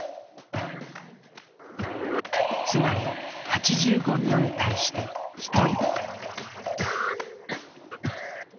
つまり８５人に対して１人。